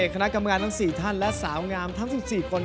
คณะกรรมการทั้ง๔ท่านและสาวงามทั้ง๑๔คน